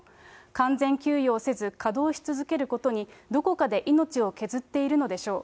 完全休養せず、稼働し続けることに、どこかで命を削っているのでしょう。